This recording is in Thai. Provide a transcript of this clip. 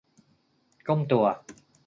ก้มตัว